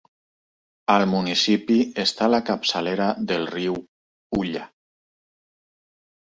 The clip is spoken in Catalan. Al municipi està la capçalera del riu Ulla.